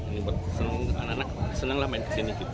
ini senang anak anak senanglah main kesini